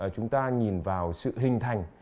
chúng ta nhìn vào sự hình thành